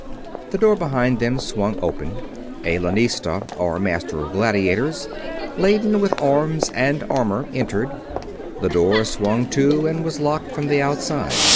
The door behind them swung open. A lanista, or master of gladiators, laden with arms and armor, entered. The door swung to and was locked from the outside.